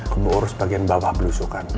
kamu urus bagian bawah pelusukan